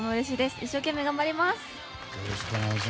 一生懸命頑張ります！